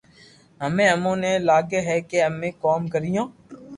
ھمي ايمون ني لاگي ھي ڪي امي ڪوم ڪريو